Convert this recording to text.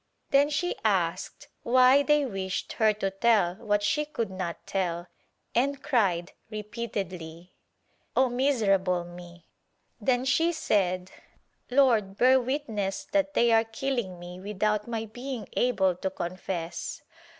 Then she asked why thev wished her to tell what she could not tell and cried repeatedly "O, miserable mel" Then she said "Lord bear witness that tney are killing me without my being able to confess."